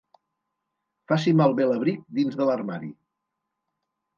Faci malbé l'abric dins de l'armari.